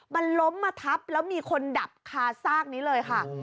มันล้มมาทับแล้วมีคนดับคาซากนี้เลยค่ะ